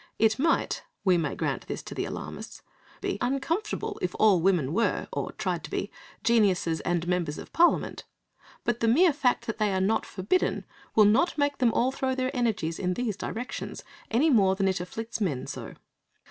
It might—we may grant this to the alarmists—be very uncomfortable if all women were, or tried to be, geniuses and Members of Parliament, but the mere fact that they are not forbidden will not make them all throw their energies in these directions, any more than it afflicts men so.